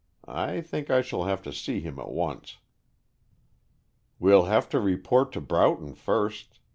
I think I shall have to see him at once." "We'll have to report to Broughton first.